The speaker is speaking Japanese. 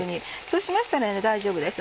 そうしましたら大丈夫です